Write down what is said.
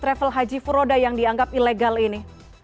bagaimana mengenai haji furoda yang dianggap ilegal ini